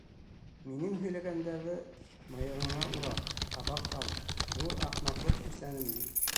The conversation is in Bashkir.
Мин һөйләгәндәрҙе мыйығыңа ура, һабаҡ ал, ҙур ахмаҡлыҡ эшләнем мин.